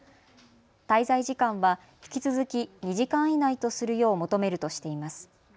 滞在時間は引き続き２時間以内とするよう求めるとしています。